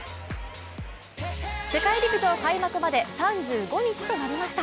世界陸上開幕まで３５日となりました。